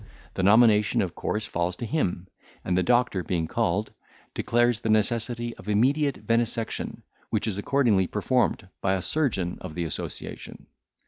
The nomination of course falls to him, and the doctor being called, declares the necessity of immediate venesection, which is accordingly performed by a surgeon of the association.